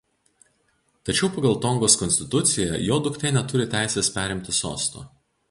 Tačiau pagal Tongos konstituciją jo duktė neturi teisės perimti sosto.